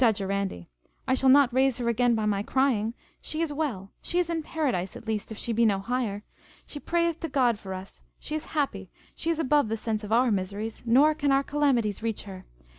(da jurandi) I shall not raise her again by my crying: she is well, she is in paradise at least, if she be no higher: she prayeth to God for us, she is happy, she is above the sense of our miseries, nor can our calamities reach her.